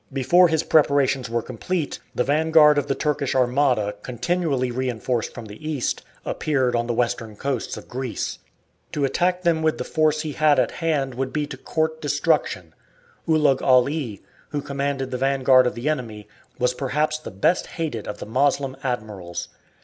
Before his preparations were complete, the vanguard of the Turkish armada, continually reinforced from the East, appeared on the western coasts of Greece. To attack them with the force he had at hand would be to court destruction. Ulugh Ali, who commanded the vanguard of the enemy, was perhaps the best hated of the Moslem admirals.